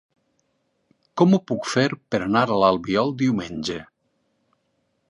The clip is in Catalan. Com ho puc fer per anar a l'Albiol diumenge?